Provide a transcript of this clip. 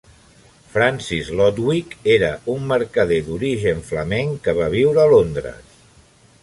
Francis Lodwick era un mercader d'origen flamenc que va viure a Londres.